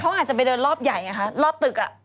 เขาอาจจะไปเดินรอบใหญ่ไงคะรอบตึกอ่ะ